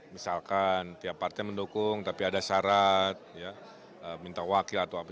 misalkan tiap partai mendukung tapi ada syarat minta wakil atau apa